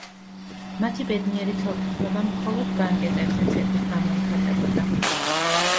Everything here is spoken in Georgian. მათი ბედნიერი ცოლ-ქმრობა მხოლოდ ბანკეტებზე ცეკვით გამოიხატებოდა.